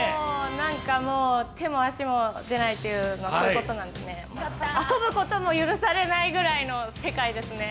何かもう手も足も出ないっていうのこういうことなんですね遊ぶことも許されないぐらいの世界ですね